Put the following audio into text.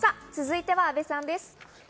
続いては阿部さんです。